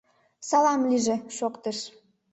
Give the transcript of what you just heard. — Салам лийже, — шоктыш.